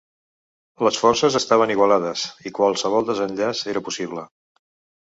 Les forces estaven igualades, i qualsevol desenllaç era possible.